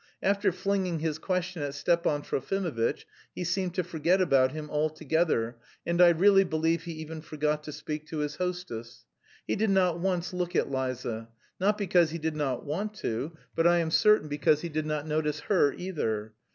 After flinging his question at Stepan Trofimovitch he seemed to forget about him altogether, and I really believe he even forgot to speak to his hostess. He did not once look at Liza not because he did not want to, but I am certain because he did not notice her either.